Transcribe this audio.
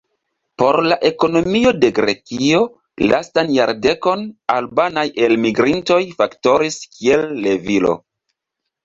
Por la ekonomio de Grekio, lastan jardekon, albanaj elmigrintoj faktoris kiel levilo.